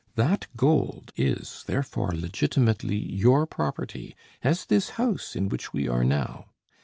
That gold is, therefore, legitimately your property, as this house in which we are now.